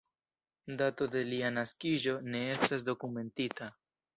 Dato de lia naskiĝo ne estas dokumentita.